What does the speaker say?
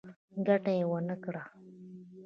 ګټه يې ونکړه.